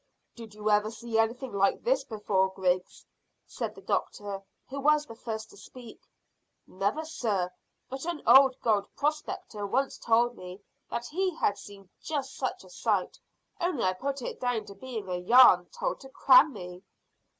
"Did you ever see anything like this before, Griggs?" said the doctor, who was the first to speak. "Never, sir; but an old gold prospector once told me that he had seen just such a sight, only I put it down to being a yarn told to cram me."